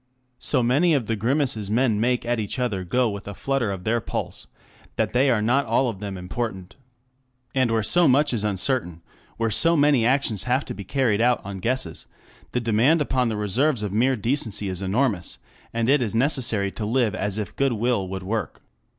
So many of the grimaces men make at each other go with a flutter of their pulse, that they are not all of them important. And where so much is uncertain, where so many actions have to be carried out on guesses, the demand upon the reserves of mere decency is enormous, and it is necessary to live as if good will would work.